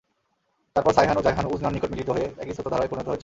তারপর সায়হান ও জায়হান উযনার নিকট মিলিত হয়ে একই স্রোতধারায় পরিণত হয়েছে।